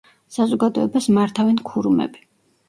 საზოგადოებას მართავენ ქურუმები.